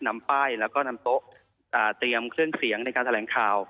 นำป้ายแล้วก็นำโต๊ะเตรียมเครื่องเสียงในการแถลงข่าว